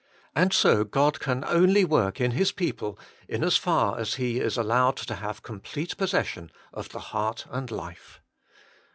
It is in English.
And so God can only work in His people in as far as He is allowed to have complete possession of the heart and life.